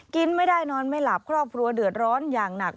กินไม่ได้นอนไม่หลับครอบครัวเดือดร้อนอย่างหนัก